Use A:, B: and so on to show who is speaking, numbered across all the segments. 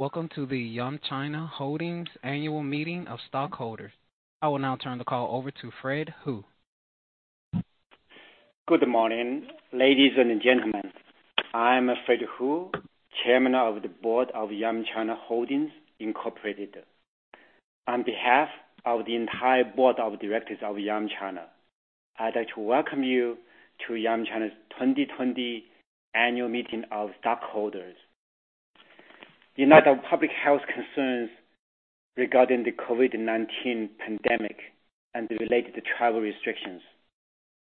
A: Welcome to the Yum China Holdings annual meeting of stockholders. I will now turn the call over to Fred Hu.
B: Good morning, ladies and gentlemen. I'm Fred Hu, Chairman of the Board of Yum China Holdings Incorporated. On behalf of the entire Board of Directors of Yum China, I'd like to welcome you to Yum China's 2020 annual meeting of stockholders. In light of public health concerns regarding the COVID-19 pandemic and the related travel restrictions,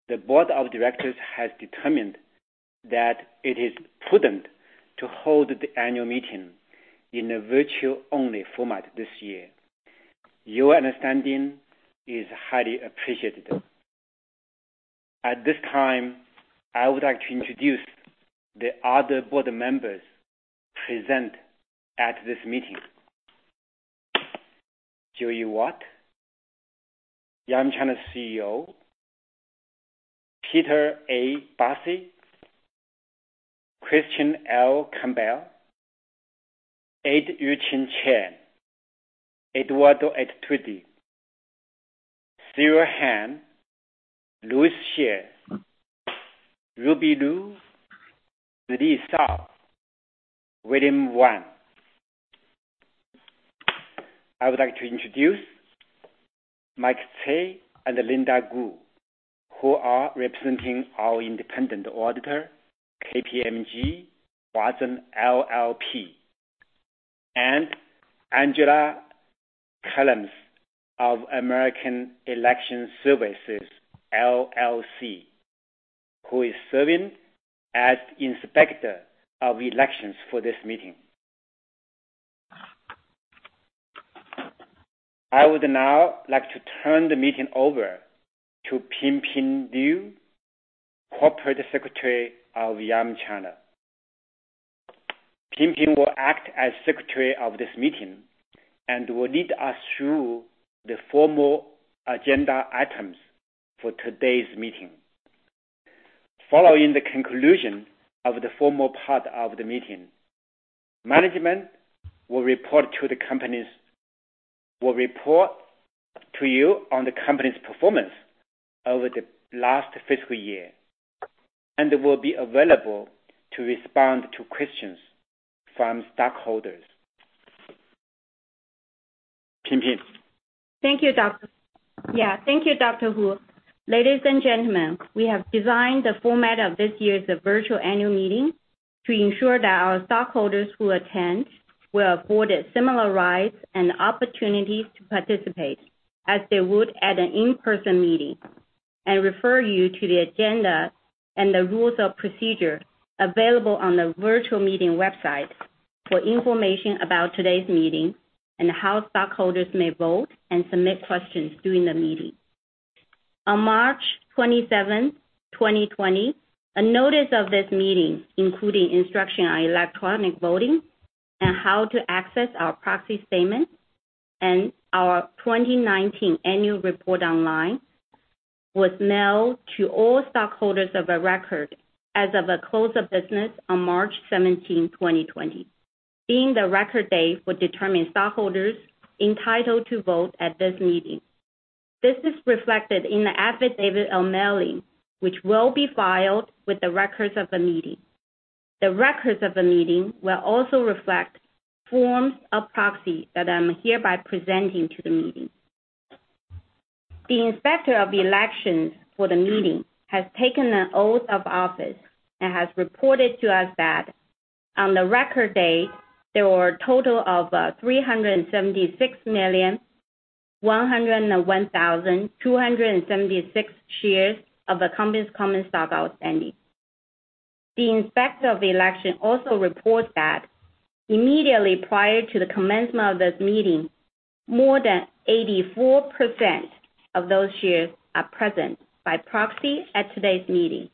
B: the Board of Directors has determined that it is prudent to hold the annual meeting in a virtual only format this year. Your understanding is highly appreciated. At this time, I would like to introduce the other Board members present at this meeting. Joey Wat, Yum China CEO, Peter A. Bassi, Christian L. Campbell, Ed Yiu-Cheong Chan, Edouard Ettedgui, Cyril Han, Louis Hsieh, Ruby Lu, Zili Shao, William Wang. I would like to introduce Mike Tse and Linda Gu, who are representing our independent auditor, KPMG Huazhen LLP, and Angela Collins of American Election Services, LLC, who is serving as Inspector of Elections for this meeting. I would now like to turn the meeting over to Pingping Liu, Corporate Secretary of Yum China. Pingping will act as Secretary of this meeting and will lead us through the formal agenda items for today's meeting. Following the conclusion of the formal part of the meeting, management will report to you on the company's performance over the last fiscal year and will be available to respond to questions from stockholders. Pingping?
C: Thank you, Dr. Hu. Ladies and gentlemen, we have designed the format of this year's virtual annual meeting to ensure that our stockholders who attend were afforded similar rights and opportunities to participate as they would at an in-person meeting. I refer you to the agenda and the rules of procedure available on the virtual meeting website for information about today's meeting and how stockholders may vote and submit questions during the meeting. On March 27th, 2020, a notice of this meeting, including instruction on electronic voting and how to access our proxy statement and our 2019 annual report online, was mailed to all stockholders of the record as of the close of business on March 17th, 2020, being the record date would determine stockholders entitled to vote at this meeting. This is reflected in the affidavit of mailing, which will be filed with the records of the meeting. The records of the meeting will also reflect forms of proxy that I'm hereby presenting to the meeting. The Inspector of Elections for the meeting has taken an oath of office and has reported to us that on the record date, there were a total of 376,101,276 shares of the company's common stock outstanding. The Inspector of Election also reports that immediately prior to the commencement of this meeting, more than 84% of those shares are present by proxy at today's meeting.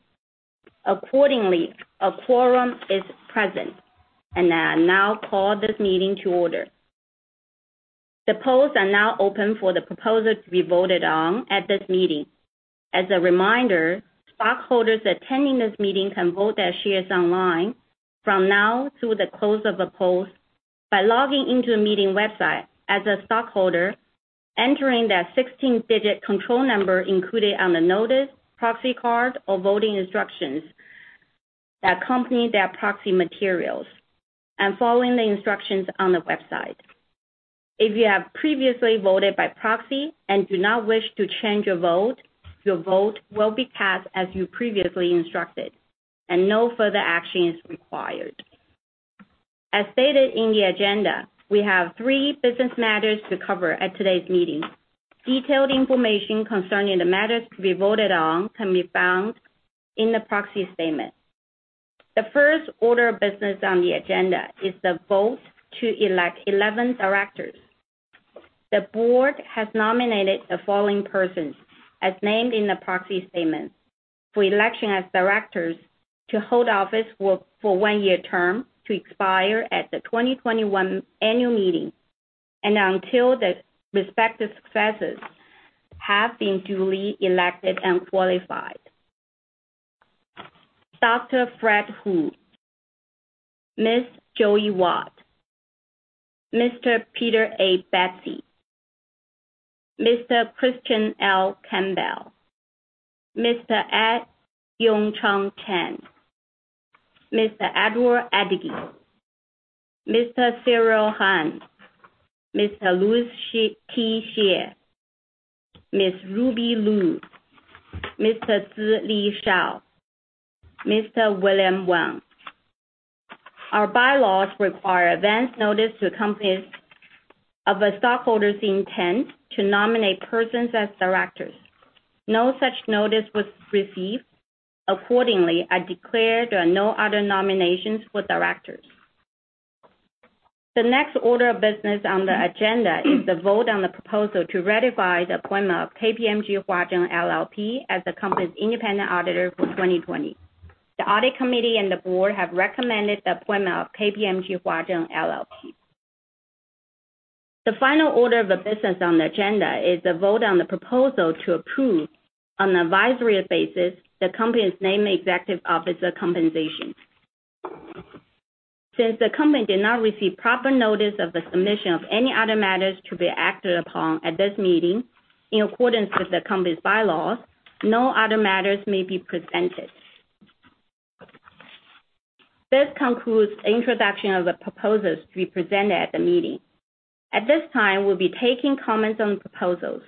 C: Accordingly, a quorum is present, and I now call this meeting to order. The polls are now open for the proposals to be voted on at this meeting. As a reminder, stockholders attending this meeting can vote their shares online from now through the close of the polls by logging into the meeting website as a stockholder, entering their 16-digit control number included on the notice, proxy card, or voting instructions that accompany their proxy materials, and following the instructions on the website. If you have previously voted by proxy and do not wish to change your vote, your vote will be cast as you previously instructed, and no further action is required. As stated in the agenda, we have three business matters to cover at today's meeting. Detailed information concerning the matters to be voted on can be found in the proxy statement. The first order of business on the agenda is the vote to elect 11 Directors. The Board has nominated the following persons, as named in the proxy statement, for election as directors to hold office for one-year term to expire at the 2021 annual meeting and until the respective successors have been duly elected and qualified. Dr. Fred Hu. Ms. Joey Wat. Mr. Peter A. Bassi. Mr. Christian L. Campbell. Mr. Ed Yiu-Cheong Chan. Mr. Edouard Ettedgui. Mr. Cyril Han. Mr. Louis T. Hsieh. Ms. Ruby Lu. Mr. Zili Shao. Mr. William Wang. Our bylaws require advance notice to companies of a stockholder's intent to nominate persons as directors. No such notice was received. Accordingly, I declare there are no other nominations for Directors. The next order of business on the agenda is the vote on the proposal to ratify the appointment of KPMG Huazhen LLP as the company's independent auditor for 2020. The audit committee and the board have recommended the appointment of KPMG Huazhen LLP. The final order of business on the agenda is the vote on the proposal to approve, on an advisory basis, the company's named executive officer compensation. Since the company did not receive proper notice of the submission of any other matters to be acted upon at this meeting, in accordance with the company's bylaws, no other matters may be presented. This concludes the introduction of the proposals to be presented at the meeting. At this time, we'll be taking comments on proposals.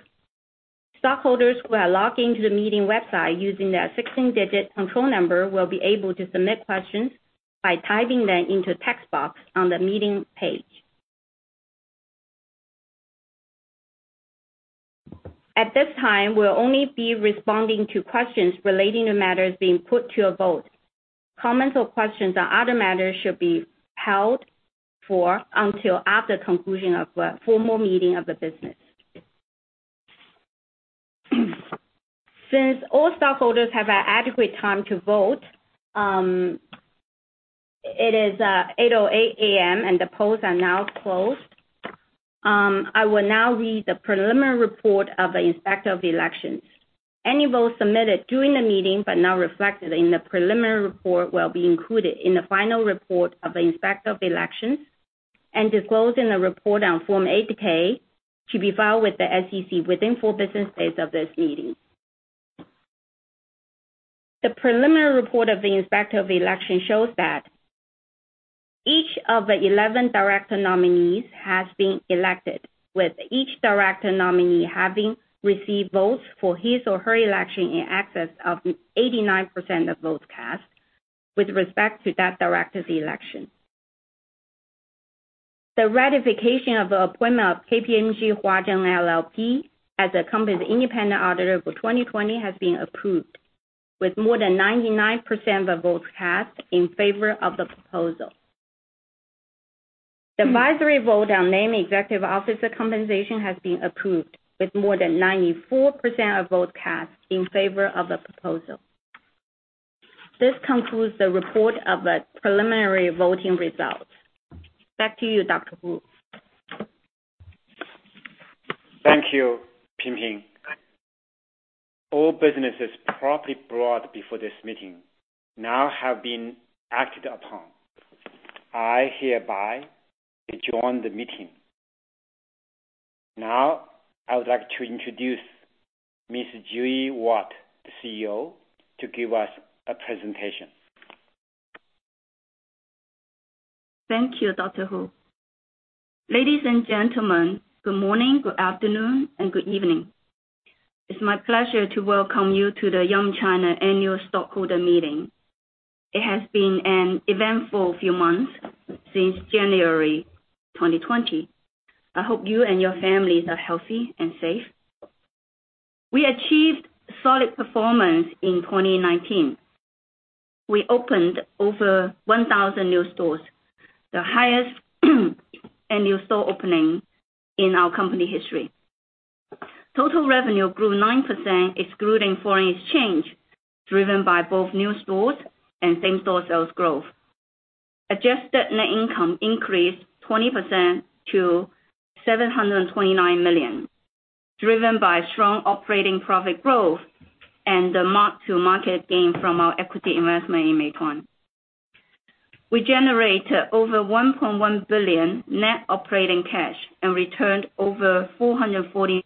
C: Stockholders who are logged into the meeting website using their 16-digit control number, will be able to submit questions by typing them into a text box on the meeting page. At this time, we'll only be responding to questions relating to matters being put to a vote. Comments or questions on other matters should be held for until after conclusion of the formal meeting of the business. Since all stockholders have had adequate time to vote, it is 8:08 A.M., and the polls are now closed. I will now read the preliminary report of the Inspector of Elections. Any votes submitted during the meeting but not reflected in the preliminary report will be included in the final report of the Inspector of Elections and disclosed in the report on Form 8-K, to be filed with the SEC within four business days of this meeting. The preliminary report of the Inspector of Election shows that each of the 11 Director nominees has been elected, with each Director nominee having received votes for his or her election in excess of 89% of votes cast with respect to that Director's election. The ratification of the appointment of KPMG Huazhen LLP as the company's independent auditor for 2020 has been approved with more than 99% of votes cast in favor of the proposal. The advisory vote on named executive officer compensation has been approved, with more than 94% of votes cast in favor of the proposal. This concludes the report of the preliminary voting results. Back to you, Dr. Hu.
B: Thank you, Pingping. All businesses properly brought before this meeting now have been acted upon. I hereby adjourn the meeting. Now I would like to introduce Ms. Joey Wat, the CEO, to give us a presentation.
D: Thank you, Dr. Hu. Ladies and gentlemen, good morning, good afternoon, and good evening. It is my pleasure to welcome you to the Yum China annual stockholder meeting. It has been an eventful few months since January 2020. I hope you and your families are healthy and safe. We achieved solid performance in 2019. We opened over 1,000 new stores, the highest annual store opening in our company history. Total revenue grew 9%, excluding foreign exchange, driven by both new stores and same-store sales growth. Adjusted net income increased 20% to $729 million, driven by strong operating profit growth and the mark-to-market gain from our equity investment in Meituan. We generated over $1.1 billion net operating cash and returned over $440 million.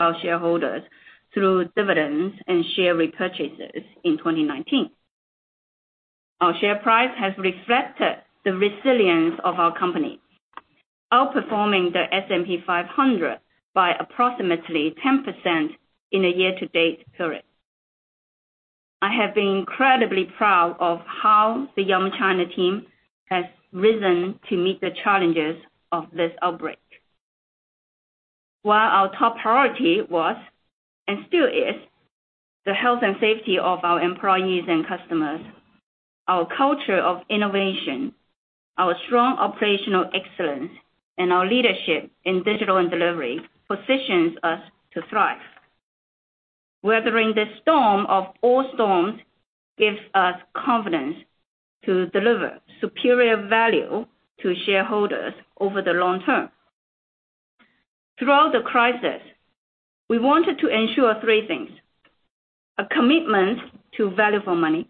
D: Our shareholders through dividends and share repurchases in 2019. Our share price has reflected the resilience of our company, outperforming the S&P 500 by approximately 10% in the year-to-date period. I have been incredibly proud of how the Yum China team has risen to meet the challenges of this outbreak. While our top priority was, and still is, the health and safety of our employees and customers, our culture of innovation, our strong operational excellence, and our leadership in digital and delivery positions us to thrive. Weathering this storm of all storms gives us confidence to deliver superior value to shareholders over the long term. Throughout the crisis, we wanted to ensure three things: a commitment to value for money,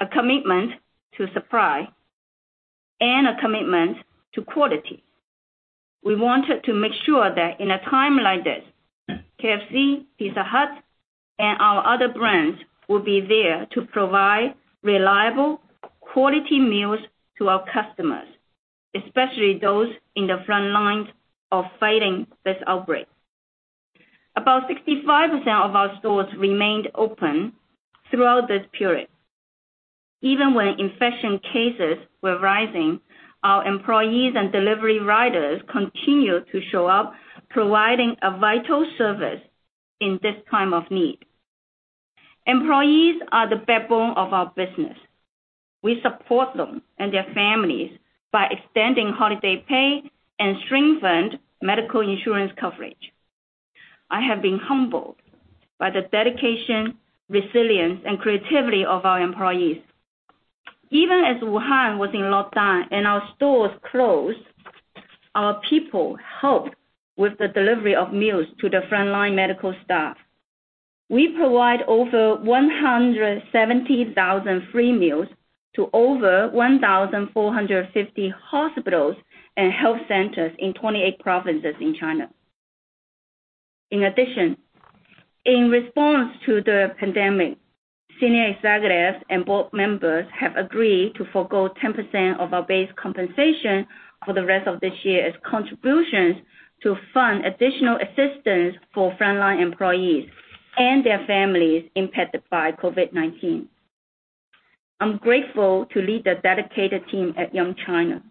D: a commitment to supply, and a commitment to quality. We wanted to make sure that in a time like this, KFC, Pizza Hut, and our other brands will be there to provide reliable, quality meals to our customers, especially those in the front lines of fighting this outbreak. About 65% of our stores remained open throughout this period. Even when infection cases were rising, our employees and delivery riders continued to show up, providing a vital service in this time of need. Employees are the backbone of our business. We support them and their families by extending holiday pay and strengthened medical insurance coverage. I have been humbled by the dedication, resilience, and creativity of our employees. Even as Wuhan was in lockdown and our stores closed, our people helped with the delivery of meals to the frontline medical staff. We provide over 170,000 free meals to over 1,450 hospitals and health centers in 28 provinces in China. In addition, in response to the pandemic, senior executives and Board members have agreed to forgo 10% of our base compensation for the rest of this year as contributions to fund additional assistance for frontline employees and their families impacted by COVID-19. I'm grateful to lead the dedicated team at Yum China.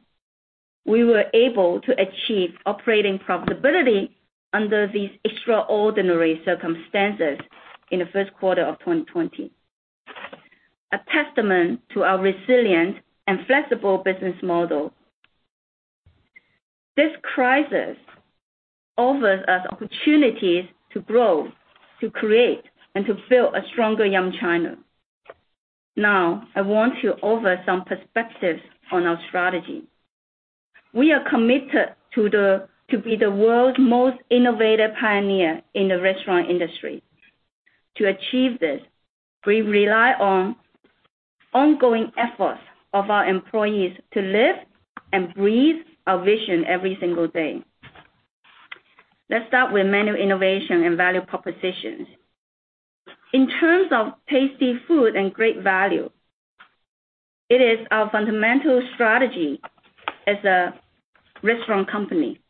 D: We were able to achieve operating profitability under these extraordinary circumstances in the first quarter of 2020, a testament to our resilient and flexible business model. This crisis offers us opportunities to grow, to create, and to build a stronger Yum China. Now, I want to offer some perspectives on our strategy. We are committed to be the world's most innovative pioneer in the restaurant industry. To achieve this, we rely on ongoing efforts of our employees to live and breathe our vision every single day. Let's start with menu innovation and value propositions. In terms of tasty food and great value, it is our fundamental strategy as a restaurant company.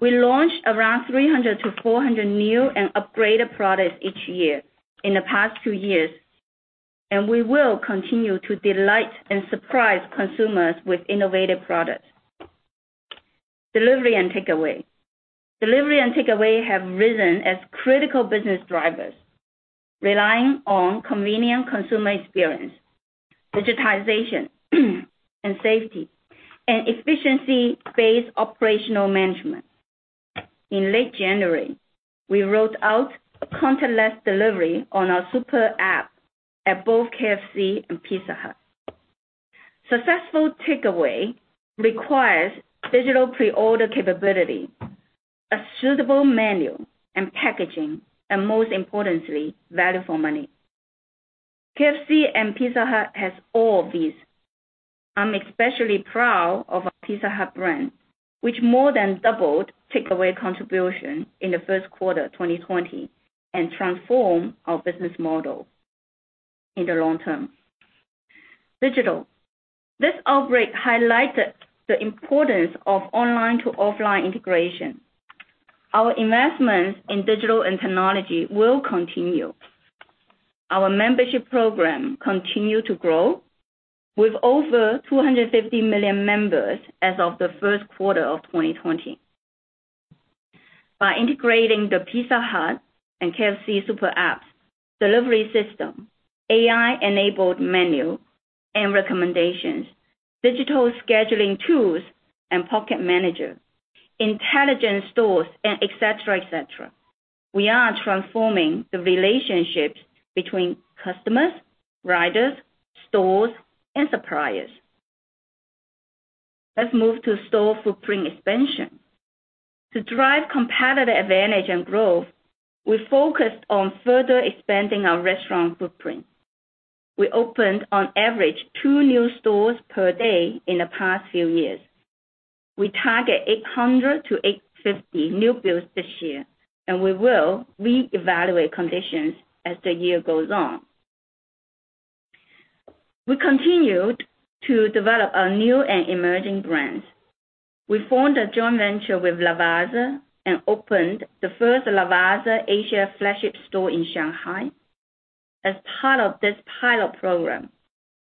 D: We launched around 300-400 new and upgraded products each year in the past two years, and we will continue to delight and surprise consumers with innovative products. Delivery and takeaway. Delivery and takeaway have risen as critical business drivers, relying on convenient consumer experience, digitization, and safety, and efficiency-based operational management. In late January, we rolled out a contactless delivery on our Super App at both KFC and Pizza Hut. Successful takeaway requires digital pre-order capability, a suitable menu and packaging, and most importantly, value for money. KFC and Pizza Hut has all of these. I'm especially proud of our Pizza Hut brand, which more than doubled takeaway contribution in the first quarter of 2020 and transformed our business model in the long term. Digital. This outbreak highlighted the importance of online to offline integration. Our investments in digital and technology will continue. Our membership program continue to grow, with over 250 million members as of the first quarter of 2020. By integrating the Pizza Hut and KFC Super Apps, delivery system, AI-enabled menu and recommendations, digital scheduling tools and Pocket Manager, intelligent stores, and et cetera. We are transforming the relationships between customers, riders, stores, and suppliers. Let's move to store footprint expansion. To drive competitive advantage and growth, we focused on further expanding our restaurant footprint. We opened on average two new stores per day in the past few years. We target 800-850 new builds this year, and we will reevaluate conditions as the year goes on. We continued to develop our new and emerging brands. We formed a joint venture with Lavazza and opened the first Lavazza Asia flagship store in Shanghai. As part of this pilot program,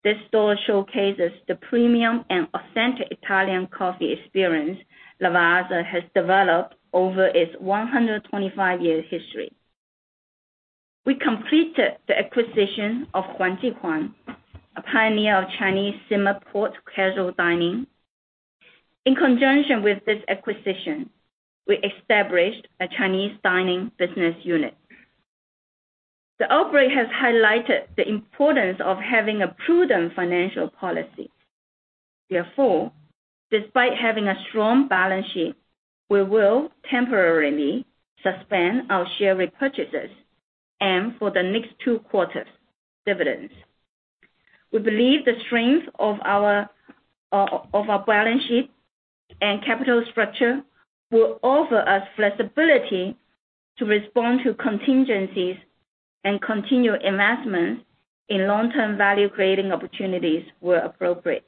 D: this store showcases the premium and authentic Italian coffee experience Lavazza has developed over its 125-year history. We completed the acquisition of Huang Ji Huang, a pioneer of Chinese simmer pot casual dining. In conjunction with this acquisition, we established a Chinese dining business unit. The outbreak has highlighted the importance of having a prudent financial policy. Despite having a strong balance sheet, we will temporarily suspend our share repurchases and, for the next two quarters, dividends. We believe the strength of our balance sheet and capital structure will offer us flexibility to respond to contingencies and continue investments in long-term value-creating opportunities where appropriate.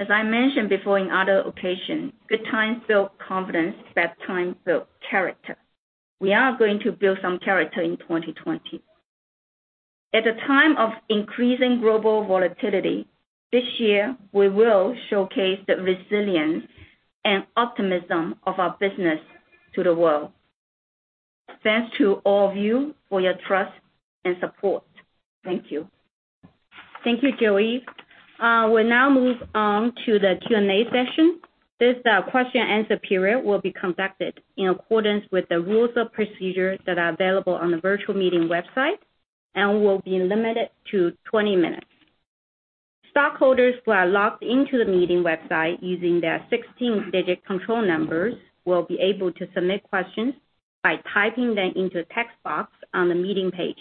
D: As I mentioned before in other occasions, good times build confidence, bad times build character. We are going to build some character in 2020. At a time of increasing global volatility, this year, we will showcase the resilience and optimism of our business to the world. Thanks to all of you for your trust and support. Thank you.
C: Thank you, Joey. We'll now move on to the Q&A session. This question and answer period will be conducted in accordance with the rules of procedure that are available on the virtual meeting website and will be limited to 20 minutes. Stockholders who are logged in to the meeting website using their 16-digit control numbers will be able to submit questions by typing them into a text box on the meeting page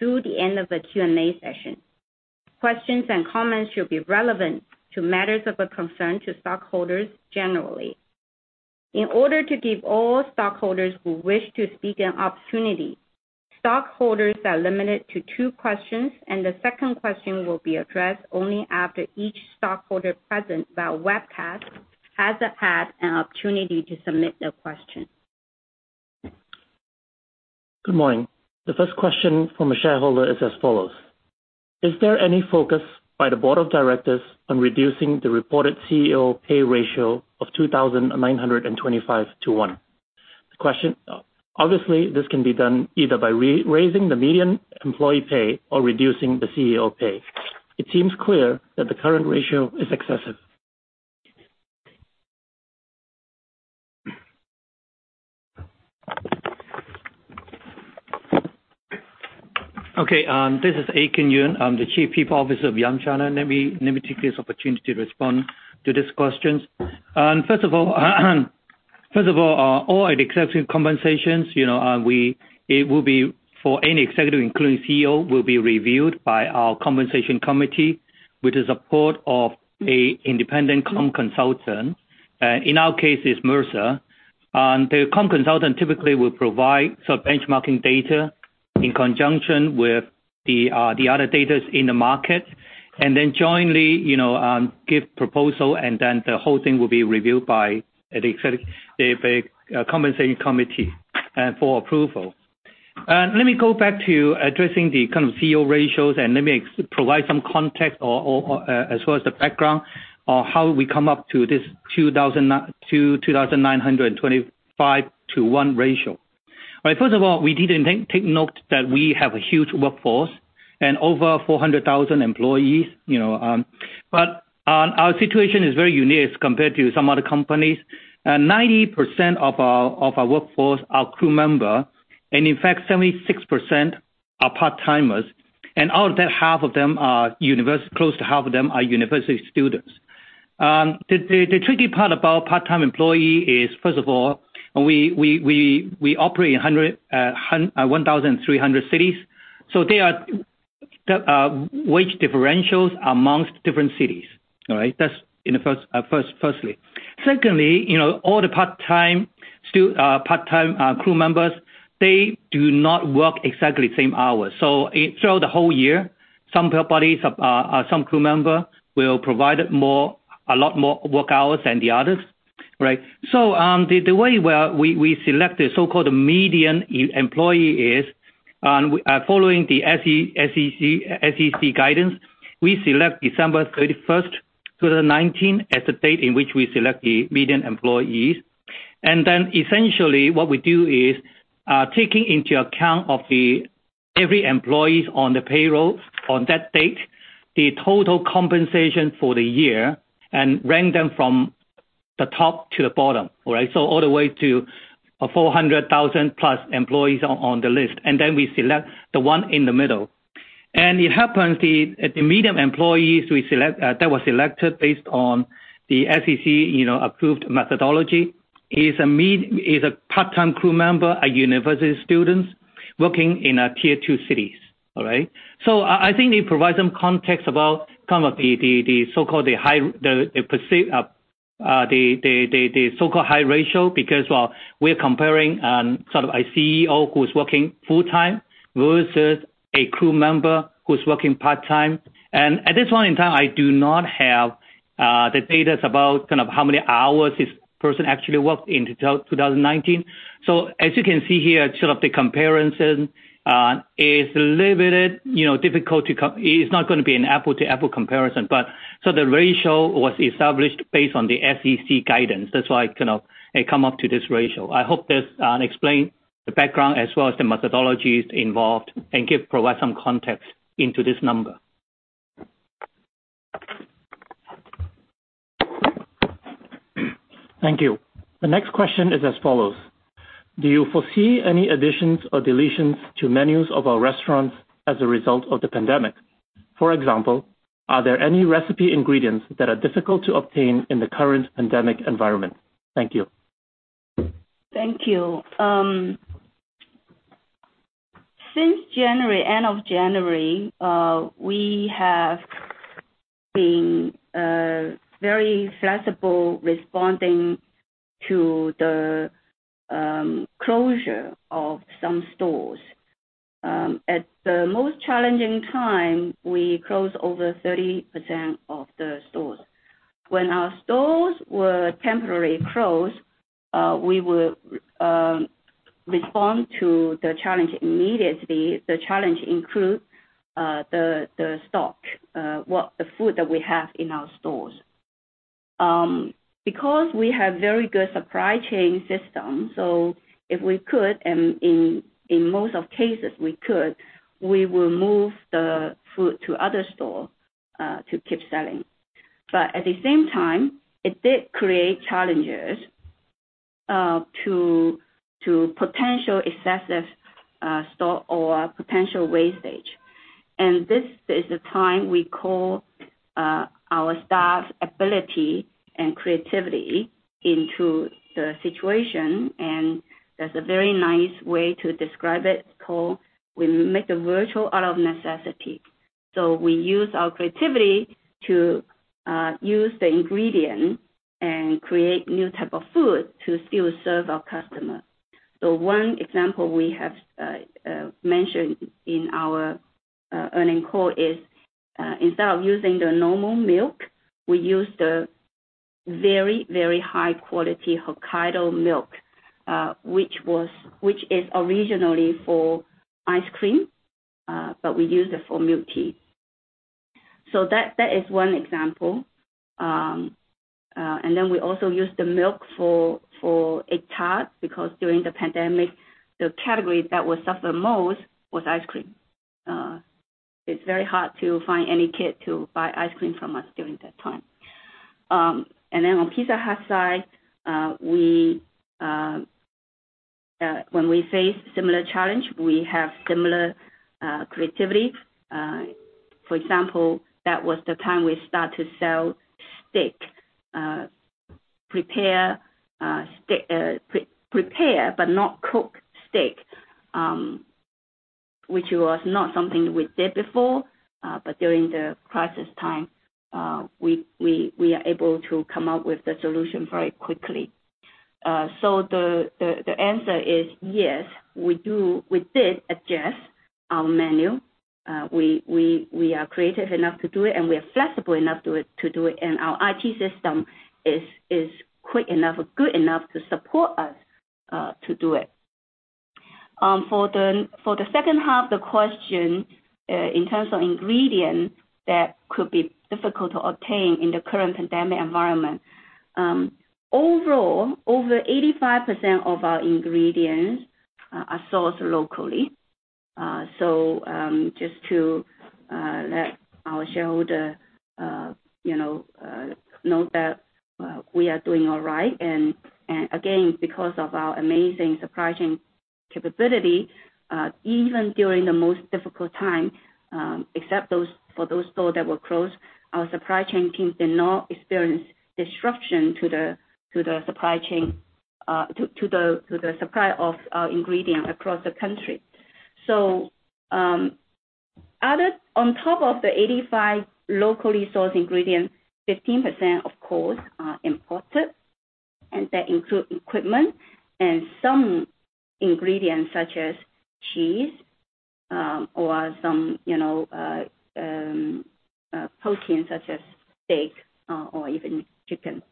C: through the end of the Q&A session. Questions and comments should be relevant to matters of a concern to stockholders generally. In order to give all stockholders who wish to speak an opportunity, stockholders are limited to two questions, and the second question will be addressed only after each stockholder present via webcast has had an opportunity to submit their question.
E: Good morning. The first question from a shareholder is as follows: Is there any focus by the Board of Directors on reducing the reported CEO pay ratio of 2,925:1? Obviously, this can be done either by raising the median employee pay or reducing the CEO pay. It seems clear that the current ratio is excessive.
F: Okay. This is Aiken Yuen. I'm the Chief People Officer of Yum China. Let me take this opportunity to respond to this question. First of all executive compensations, it will be for any executive, including CEO, will be reviewed by our Compensation Committee with the support of an independent comp consultant. In our case, it's Mercer. The comp consultant typically will provide some benchmarking data in conjunction with the other data in the market, and then jointly give proposal, and then the whole thing will be reviewed by the Compensation Committee for approval. Let me go back to addressing the CEO ratios, and let me provide some context, as well as the background, on how we come up to this 2,925:1 ratio. First of all, we need to take note that we have a huge workforce and over 400,000 employees. Our situation is very unique compared to some other companies. 90% of our workforce are crew member, and in fact, 76% are part-timers, and out of that close to half of them are university students. The tricky part about part-time employee is, first of all, we operate in 1,300 cities, so there are wage differentials amongst different cities. All right? That's firstly. Secondly, all the part-time crew members, they do not work exactly the same hours. Throughout the whole year, some crew member will provide a lot more work hours than the others. Right? The way we select the so-called median employee is, following the SEC guidance, we select December 31st, 2019, as the date in which we select the median employees. Then essentially what we do is, taking into account every employee on the payroll on that date, the total compensation for the year and rank them from the top to the bottom. Right? All the way to 400,000+ employees on the list. Then we select the one in the middle. It happens, the median employee that was selected based on the SEC-approved methodology is a part-time crew member, a university student working in a tier two city. All right? I think it provides some context about the so-called high ratio because we're comparing a CEO who's working full-time versus a crew member who's working part-time. At this point in time, I do not have the data about how many hours this person actually worked in 2019. As you can see here, the comparison is a little bit difficult. It's not going to be an apple-to-apple comparison. The ratio was established based on the SEC guidance. That's why it come up to this ratio. I hope this explain the background as well as the methodologies involved and provide some context into this number.
E: Thank you. The next question is as follows. Do you foresee any additions or deletions to menus of our restaurants as a result of the pandemic? For example, are there any recipe ingredients that are difficult to obtain in the current pandemic environment? Thank you.
D: Thank you. Since end of January, we have been very flexible responding to the closure of some stores. At the most challenging time, we closed over 30% of the stores. When our stores were temporarily closed, we would respond to the challenge immediately. The challenge includes the stock, the food that we have in our stores. We have very good supply chain system, so if we could, and in most of cases we could, we will move the food to other store to keep selling. At the same time, it did create challenges to potential excessive stock or potential wastage. This is the time we call our staff's ability and creativity into the situation, there's a very nice way to describe it's called, "We make a virtue out of necessity." We use our creativity to use the ingredient and create new type of food to still serve our customers. One example we have mentioned in our earnings call is, instead of using the normal milk, we use the very, very high quality Hokkaido milk, which is originally for ice cream, but we use it for milk tea. That is one example. We also use the milk for egg tart, because during the pandemic, the category that would suffer most was ice cream. It's very hard to find any kid to buy ice cream from us during that time. On Pizza Hut side, when we face similar challenge, we have similar creativity. For example, that was the time we start to sell steak. Prepare but not cook steak, which was not something we did before. During the crisis time, we are able to come up with the solution very quickly. The answer is yes, we did adjust our menu. We are creative enough to do it, and we are flexible enough to do it, and our IT system is quick enough or good enough to support us to do it. For the second half of the question, in terms of ingredient that could be difficult to obtain in the current pandemic environment. Overall, over 85% of our ingredients are sourced locally. Just to let our shareholder know that we are doing all right. Again, because of our amazing supply chain capability, even during the most difficult time, except for those stores that were closed, our supply chain teams did not experience disruption to the supply of our ingredients across the country. On top of the 85 locally sourced ingredients, 15%, of course, are imported, and that include equipment and some ingredients such as cheese or some protein such as steak or even chicken.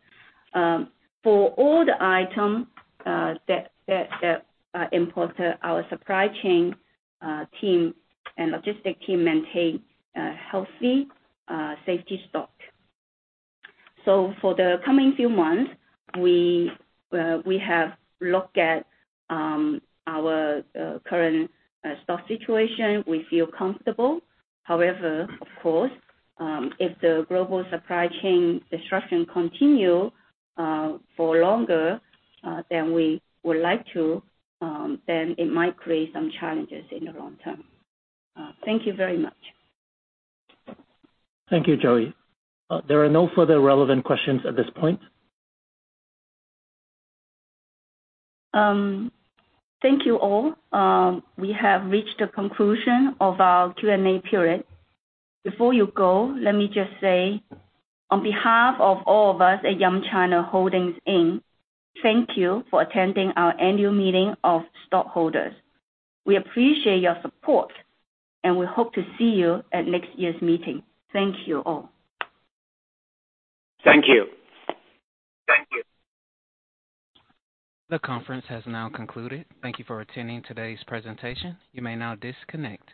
D: For all the item that are imported, our supply chain team and logistic team maintain healthy safety stock. For the coming few months, we have looked at our current stock situation, we feel comfortable. However, of course, if the global supply chain disruption continue for longer than we would like to, then it might create some challenges in the long term. Thank you very much.
E: Thank you, Joey. There are no further relevant questions at this point.
D: Thank you all. We have reached the conclusion of our Q&A period. Before you go, let me just say, on behalf of all of us at Yum China Holdings, Inc, thank you for attending our annual meeting of stockholders. We appreciate your support, and we hope to see you at next year's meeting. Thank you all.
B: Thank you.
G: Thank you.
A: The conference has now concluded. Thank you for attending today's presentation. You may now disconnect.